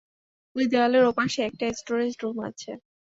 ওই দেয়ালের ওপাশে, একটা স্টোরেজ রুম আছে।